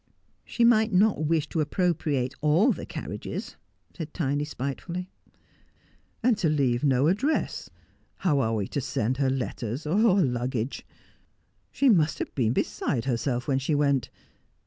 ' She might not wish to appropriate all the carriages,' said Tiny spitefully. ' And to leave no address ! How are we to send her letters — her luggage 1 She must have been beside herself when she went.